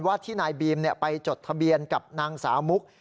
ที่นายบีมไปจดทะเบียนกับนางสาวมุก